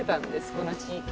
この地域。